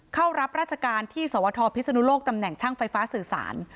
เข้ารับราชการที่สวทพิศนุโลกตำแหน่งช่างไฟฟ้าสื่อสาร